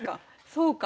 そうか。